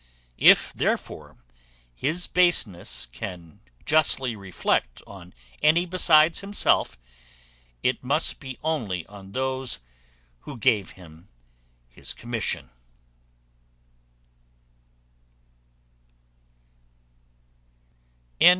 If, therefore, his baseness can justly reflect on any besides himself, it must be only on those who gave him his commission.